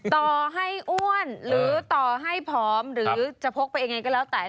ต่อให้อ้วนหรือต่อให้ผอมหรือจะพกไปยังไงก็แล้วแต่